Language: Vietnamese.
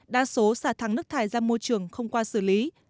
đa số xả thẳng nước thải ra môi trường không qua xử lý